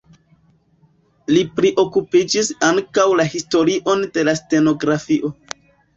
Li priokupiĝis ankaŭ la historion de la stenografio.